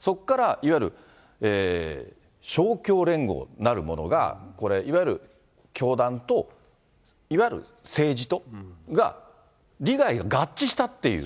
そこからいわゆる勝共連合なるものが、これ、いわゆる教団と、いわゆる政治とが、利害が合致したっていう。